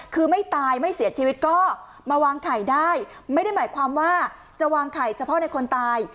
คือไม่ตายไม่เสียชีวิตก็มาวางไข่ได้ไม่ได้หมายความว่าจะวางไข่เฉพาะในคนตาย